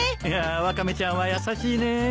いやワカメちゃんは優しいね。